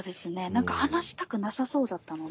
何か話したくなさそうだったので。